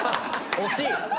惜しい。